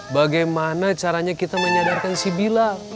bagaimana caranya kita menyadarkan si bila